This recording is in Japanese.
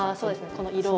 この色。